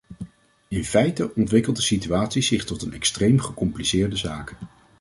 In feite ontwikkelt de situatie zich tot een extreem gecompliceerde zaak.